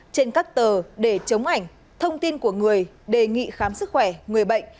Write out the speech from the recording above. trên các tờ để chống ảnh thông tin của người đề nghị khám sức khỏe người bệnh